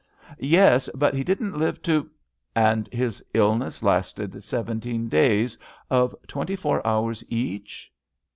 "'' Yes; but he didn't live to ..."And his illness lasted seventeen days, of twenty four hours each?